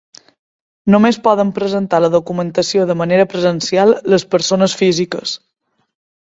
Només poden presentar la documentació de manera presencial les persones físiques.